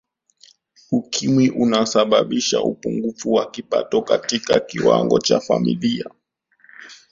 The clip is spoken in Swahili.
ukimwi unasababisha upungufu wa kipato Katika kiwango cha familia